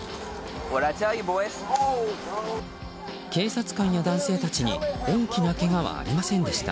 警察官や男性たちに大きなけがはありませんでした。